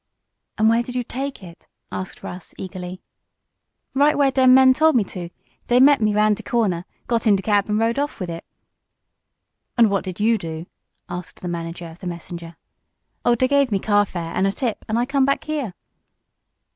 "And where did you take it?" asked Russ eagerly. "Right where dem men told me to. Dey met me around de corner, got in de cab and rode off wid it." "And what did you do?" asked the manager of the messenger. "Oh, dey gave me carfare, an' a tip, and I come back here."